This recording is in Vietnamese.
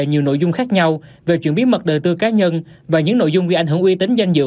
nhiều nội dung khác nhau về chuyển bí mật đời tư cá nhân và những nội dung gây ảnh hưởng uy tín danh dự